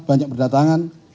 banyak yang datang